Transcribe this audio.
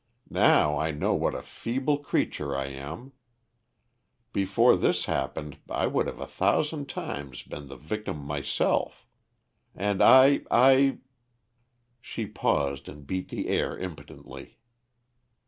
Now I know what a feeble creature I am. Before this happened I would a thousand times have been the victim myself. And I I " She paused and beat the air impotently.